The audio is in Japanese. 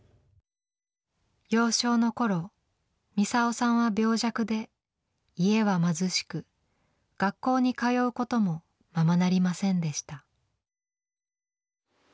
幼少の頃ミサオさんは病弱で家は貧しく学校に通うこともままなりませんでした。